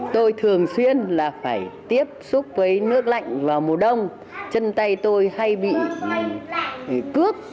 tôi thường xuyên là phải tiếp xúc với nước lạnh vào mùa đông chân tay tôi hay bị cướp